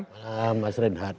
selamat malam mas renhat